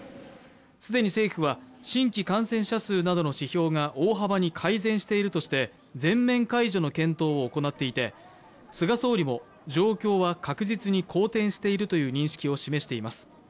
既に政府は新規感染者数などの指標が大幅に改善しているとして、全面解除の検討を行っていて、菅総理も状況は確実に好転しているという認識を示しています。